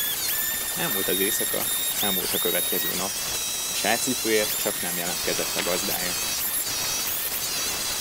Elmúlt az éjszaka, elmúlt a következő nap; a sárcipőért csak nem jelentkezett a gazdája.